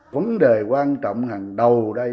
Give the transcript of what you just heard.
vấn đề quan trọng hàng đầu đây